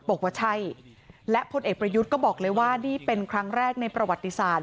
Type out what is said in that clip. บอกว่าใช่และพลเอกประยุทธ์ก็บอกเลยว่านี่เป็นครั้งแรกในประวัติศาสต